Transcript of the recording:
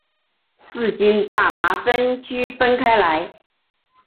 四氢大麻酚区分开来。